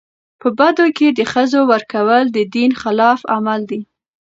په بدو کي د ښځو ورکول د دین خلاف عمل دی.